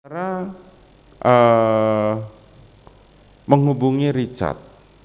cara menghubungi richard